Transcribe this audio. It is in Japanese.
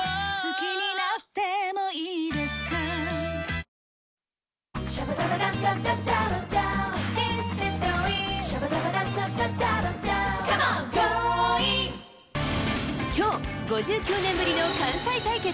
大空あおげきょう５９年ぶりの関西対決。